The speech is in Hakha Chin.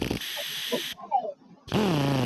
Thase tunkhat in ka herh.